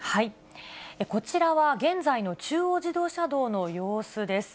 こちらは現在の中央自動車道の様子です。